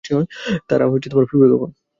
তারা ফিরবে কখন?